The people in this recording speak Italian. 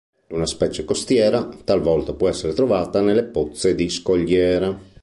È una specie costiera, talvolta può essere trovata nelle pozze di scogliera.